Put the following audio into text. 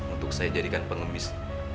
untuk saya jadikan pengemis